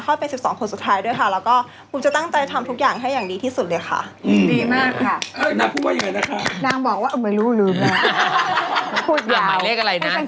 เข้าไป๑๒คนสุดท้ายด้วยค่ะ